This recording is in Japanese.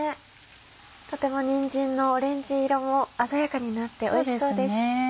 とてもにんじんのオレンジ色も鮮やかになっておいしそうです。